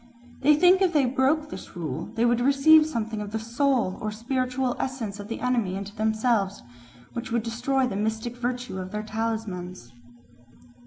They think that if they broke this rule they would receive something of the soul or spiritual essence of the enemy into themselves, which would destroy the mystic virtue of their talismans.